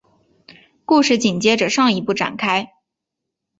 故事紧接着上一部展开。